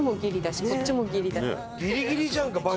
ギリギリじゃんかバス！